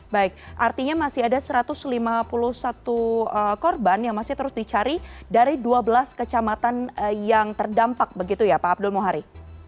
baik artinya masih ada satu ratus lima puluh satu korban yang masih terus dicari dari dua belas kecamatan yang terdampak begitu ya pak abdul muhari